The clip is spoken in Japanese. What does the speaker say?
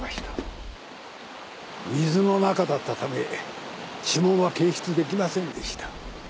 水の中だったため指紋は検出できませんでした。